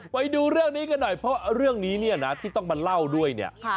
ไปดูเรื่องนี้กันหน่อยเพราะเรื่องนี้ที่ต้องมาเล่าด้วย